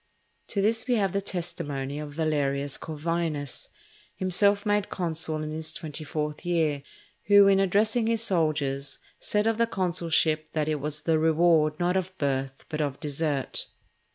To this we have the testimony of Valerius Corvinus, himself made consul in his twenty fourth year, who, in addressing his soldiers, said of the consulship that it was "the reward not of birth but of desert."